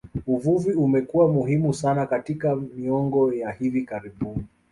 Uvuvi umekuwa muhimu sana katika miongo ya hivi karibuni